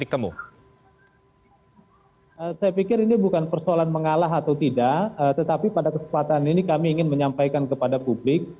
tetapi pada kesempatan ini kami ingin menyampaikan kepada publik